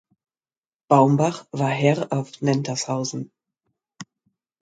Baumbach war Herr auf Nentershausen.